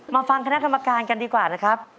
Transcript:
มาฟังคณะกรรมการกันดีกว่านะครับ